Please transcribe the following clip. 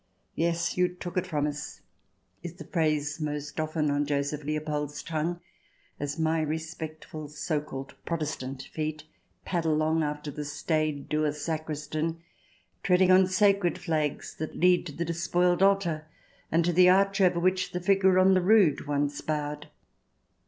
" Yes, you took it from us 1" is the phrase most often on Joseph Leopold's tongue, as my respectful so called Protestant feet pad along after the staid, dour sacristan, treading on sacred flags that lead to the despoiled altar and to the arch over which the figure on the rood once bowed.